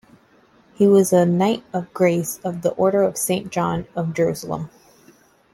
He was a Knight of Grace of the Order of Saint John of Jerusalem.